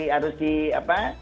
harus di apa